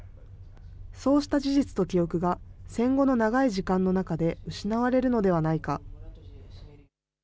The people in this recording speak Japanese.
そうした事実と記憶が、戦後の長い時間の中で、失われるのではないか。